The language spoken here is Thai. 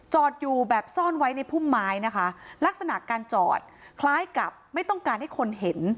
จอดอยู่แบบซ่อนไว้ในพุ่มไม้นะคะลักษณะการจอดคล้ายกับไม่ต้องการให้คนเห็น